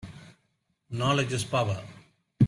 Knowledge is power.